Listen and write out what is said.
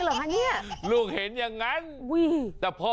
แล้วพ่อบอกเราก็ทำเป็นข้าวที่คุณครับ